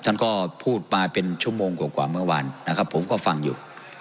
ท่านก็พูดมาเป็นชั่วโมงกว่าเมื่อวานนะครับผมก็ฟังอยู่